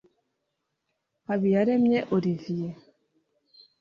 Habiyaremye Olivier